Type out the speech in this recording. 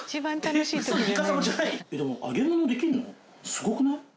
すごくない？